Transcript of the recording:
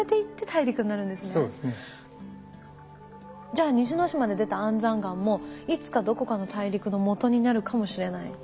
じゃあ西之島で出た安山岩もいつかどこかの大陸のもとになるかもしれない。